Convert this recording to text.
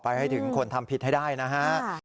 ให้ถึงคนทำผิดให้ได้นะฮะ